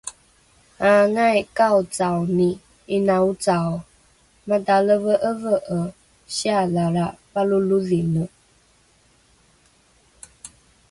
Aangai kaocaoni 'ina ocao, matalave'eve'e siyalalra palolodhine!